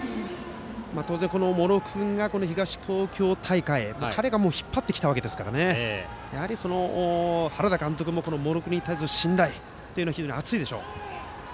当然、東東京大会を彼が引っ張ってきたわけですから原田監督も茂呂君に対する信頼は非常に厚いでしょう。